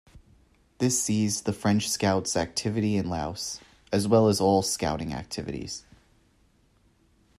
This ceased the French Scouts' activity in Laos, as well as all Scouting activities.